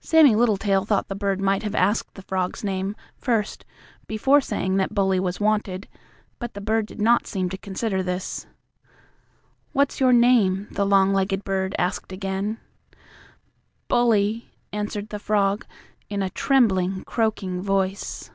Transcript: Sammie Littletail thought the bird might have asked the frog's name first before saying that Bully was wanted, but the bird did not seem to consider this. "What's your name?" the long legged bird asked again. "Bully," answered the frog, in a trembling, croaking voice.